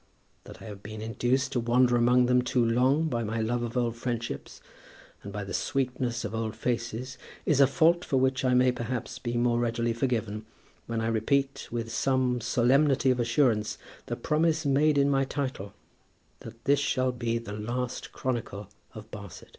That I have been induced to wander among them too long by my love of old friendships, and by the sweetness of old faces, is a fault for which I may perhaps be more readily forgiven, when I repeat, with some solemnity of assurance, the promise made in my title, that this shall be the last chronicle of Barset.